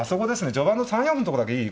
序盤の３四歩のとこだけいい？